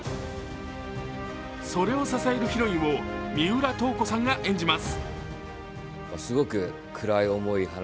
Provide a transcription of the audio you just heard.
それを支えるヒロインを三浦透子さんが演じます。